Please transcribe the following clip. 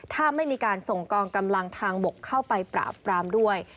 ถ้าไม่มีการส่งกองกำลังทางบกเข้าไปปราบปรามด้วย